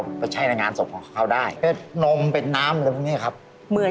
เมียกูอยู่ไหนด้อนตรงไหน